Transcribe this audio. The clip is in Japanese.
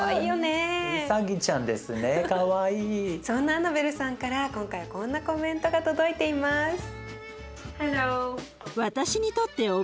そんなアナベルさんから今回はこんなコメントが届いています。